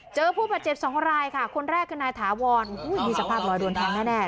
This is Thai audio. ผู้บาดเจ็บสองรายค่ะคนแรกคือนายถาวรมีสภาพรอยโดนแทงแน่